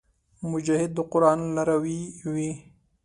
مجاهد د قران لاروي وي.